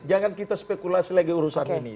jangan kita spekulasi lagi urusan ini